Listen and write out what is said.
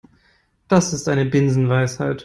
Das ist eine Binsenweisheit.